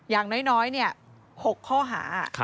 อย่างน้อยเนี่ย๖ข้อหา